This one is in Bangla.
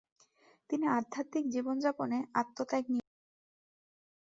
তিনি আধ্যাত্মিক জীবন যাপনে আত্ম নিয়োগ করেন।